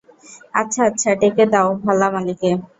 আচ্ছা, আচ্ছা, ডেকে দাও হলা মালীকে।